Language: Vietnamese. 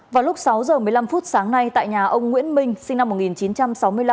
vào lúc sáu giờ một mươi năm phút sáng nay tại nhà ông nguyễn minh sinh năm một nghìn chín trăm sáu mươi năm